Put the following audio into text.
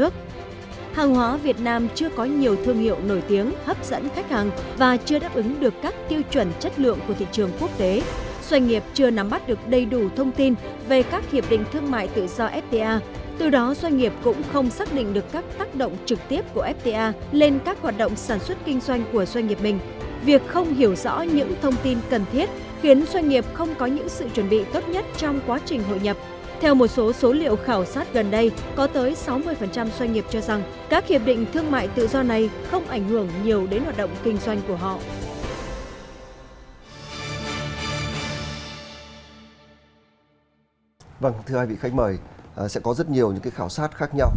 có tới sáu mươi doanh nghiệp cho rằng các hiệp định thương mại tự do này không ảnh hưởng nhiều đến hoạt động kinh doanh của họ